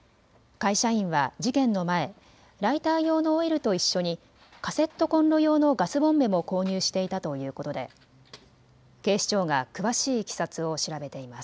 会社員は事件の前、ライター用のオイルと一緒にカセットこんろ用のガスボンベも購入していたということで警視庁が詳しいいきさつを調べています。